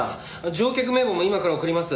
乗客名簿も今から送ります。